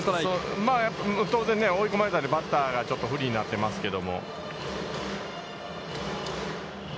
まあ当然追い込まれたんで、バッターがちょっと不利になってますけど。